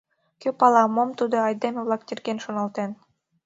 Кӧ пала, мом тудо айдеме-влак нерген шоналтен!